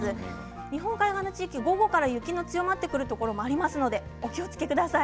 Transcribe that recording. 日本海側の地域、午後から雪の強まってくるところもありますのでお気をつけください。